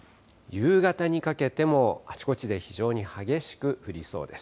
夕方にかけてもあちこちで非常に激しく降りそうです。